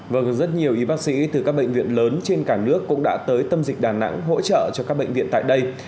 vâng rất nhiều y bác sĩ từ các bệnh viện lớn trên cả nước cũng đã tới tâm dịch đà nẵng hỗ trợ cho các bệnh viện tại đây